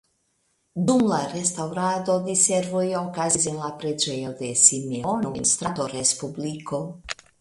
Dum la restaŭrado diservoj okazis en la preĝejo de Simeono en strato Respubliko.